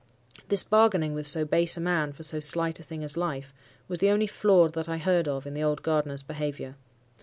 This bargaining with so base a man for so slight a thing as life, was the only flaw that I heard of in the old gardener's behaviour.